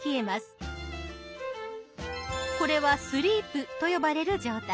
これは「スリープ」と呼ばれる状態。